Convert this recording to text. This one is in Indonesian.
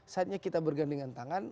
saatnya kita bergandingan tangan